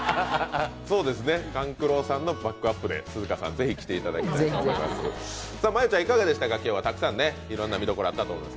勘九郎さんのバックアップで鈴花さん、ぜひ来ていただきたいと思います。